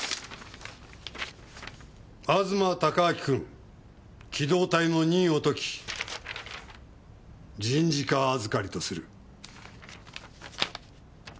東貴昭くん機動隊の任を解き人事課預かりとする。